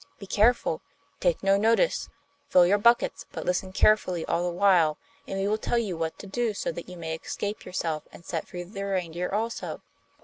'Be careful take no notice, fill your buckets, but listen carefully all the while, and we will tell you what to do so that you may escape yourself and set free the reindeer also.